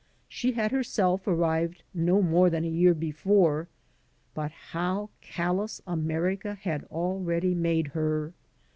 She had herself arrived no more than a year before, but how callous America had already made her!